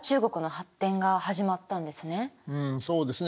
うんそうですね。